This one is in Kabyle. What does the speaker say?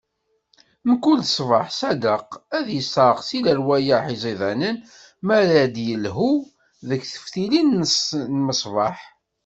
Mkul ṣṣbeḥ Sadeq ad isserɣ si lerwayeḥ iẓidanen, mi ara d-ilehhu d teftilin n lmeṣbaḥ.